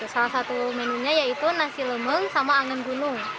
salah satu menunya yaitu nasi lemeng sama angin gunung